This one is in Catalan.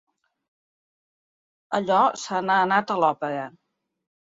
Allò se n'ha anat a l'òpera.